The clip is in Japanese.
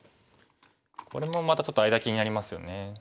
これもまたちょっと間気になりますよね。